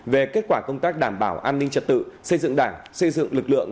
về kết quả công tác đảm bảo an ninh trật tự xây dựng đảng xây dựng lực lượng